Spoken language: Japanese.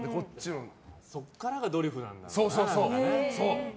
そこからがドリフなんだね。